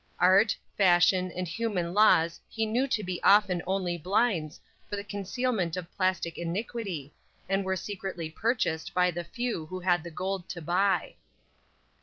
Art, fashion and human laws he knew to be often only blinds for the concealment of plastic iniquity, and were secretly purchased by the few who had the gold to buy.